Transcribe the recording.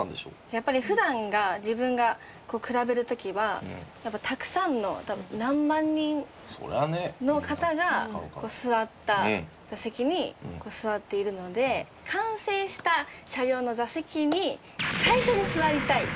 やっぱり普段が自分が比べる時はやっぱりたくさんの何万人の方が座った座席にこう座っているので完成した車両の座席に最初に座りたいです！